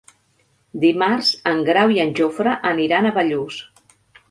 Dimarts en Grau i en Jofre aniran a Bellús.